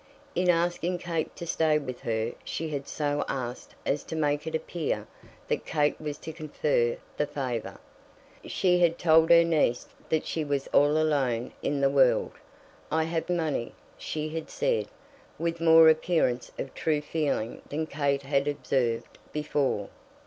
In asking Kate to stay with her she had so asked as to make it appear that Kate was to confer the favour. She had told her niece that she was all alone in the world. "I have money," she had said, with more appearance of true feeling than Kate had observed before.